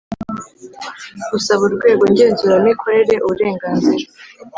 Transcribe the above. gusaba urwego ngenzuramikorere uburenganzira